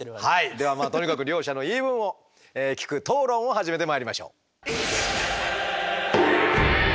ではとにかく両者の言い分を聞く討論を始めてまいりましょう。